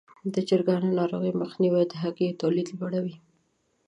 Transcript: د چرګانو ناروغیو مخنیوی د هګیو تولید لوړوي.